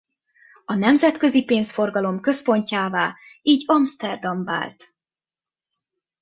A nemzetközi pénzforgalom központjává így Amszterdam vált.